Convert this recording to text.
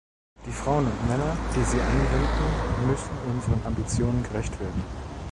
Die Frauen und Männer, die sie anwenden, müssen unseren Ambitionen gerecht werden.